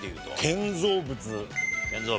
建造物。